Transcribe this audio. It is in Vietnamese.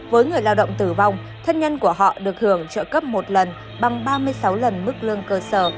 với người lao động tử vong thân nhân của họ được hưởng trợ cấp một lần bằng ba mươi sáu lần mức lương cơ sở